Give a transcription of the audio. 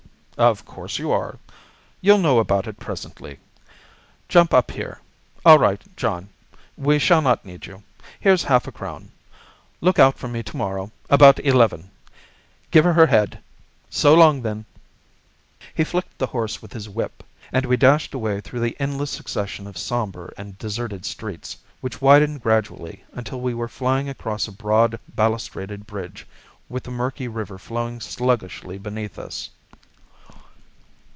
"Of course you are. You'll know all about it presently. Jump up here. All right, John; we shall not need you. Here's half a crown. Look out for me to morrow, about eleven. Give her her head. So long, then!" He flicked the horse with his whip, and we dashed away through the endless succession of sombre and deserted streets, which widened gradually, until we were flying across a broad balustraded bridge, with the murky river flowing sluggishly beneath us.